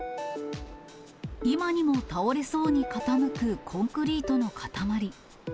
今にも倒れそうに傾くコンクリートの塊。